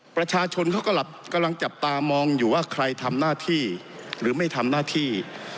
ประชาชนเขากำลังจับตามองอยู่ว่าใครทำหน้าที่หรือไม่ทำหน้าที่